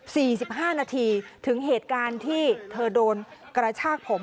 สิบห้านาทีถึงเหตุการณ์ที่เธอโดนกระชากผม